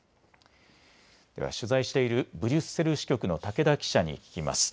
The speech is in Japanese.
では取材しているブリュッセル支局の竹田記者に聞きます。